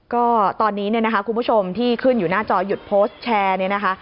ก็ตอนนี้คุณผู้ชมที่ขึ้นอยู่หน้าจอหยุดโพสต์แชร์